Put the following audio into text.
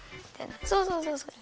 そうそうそうそう。